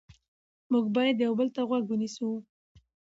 موږ باید یو بل ته غوږ ونیسو